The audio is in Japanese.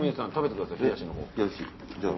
冷しじゃあ。